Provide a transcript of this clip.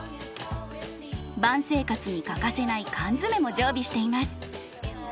バン生活に欠かせない缶詰も常備しています。